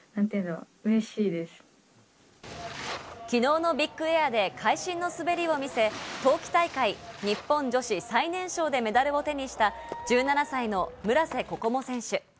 昨日のビッグエアで会心の滑りを見せ冬季大会、日本女子最年少でメダルを手にした１７歳の村瀬心椛選手。